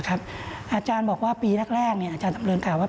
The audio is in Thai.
อาจารย์บอกว่าปีแรกอาจารย์สำเริงกล่าว่า